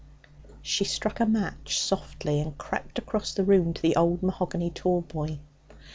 She struck a match softly and crept across the room to the old mahogany tallboy.